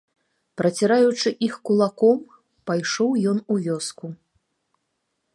Праціраючы іх кулаком, пайшоў ён у вёску.